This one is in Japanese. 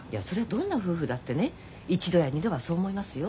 どんな夫婦だってね一度や二度はそう思いますよ。